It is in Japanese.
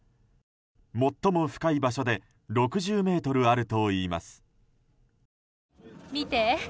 最も深い場所で６０ｍあるといいます。